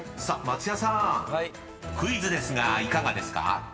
［さあ松也さんクイズですがいかがですか？］